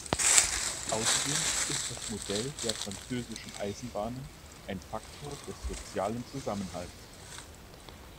Außerdem ist das Modell der französischen Eisenbahnen ein Faktor des sozialen Zusammenhalts.